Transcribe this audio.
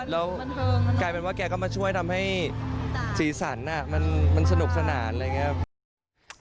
แล้วกลายเป็นว่าแกก็มาช่วยทำให้สีสันมันสนุกสนานอะไรอย่างนี้ครับ